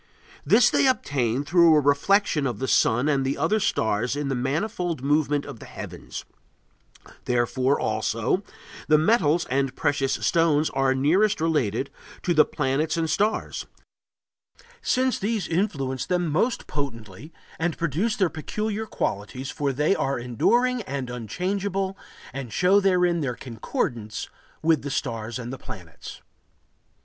This they obtain through a reflection of the sun and the other stars in the manifold movement of the heavens.... Therefore, also, the metals and precious stones are nearest related to the planets and the stars, since these influence them most potently and produce their peculiar qualities, for they are enduring and unchangeable and show therein their concordance [with the stars and the planets].